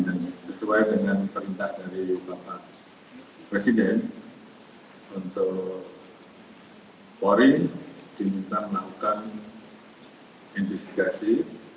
dan sesuai dengan perintah dari bapak presiden untuk poring diminta melakukan investigasi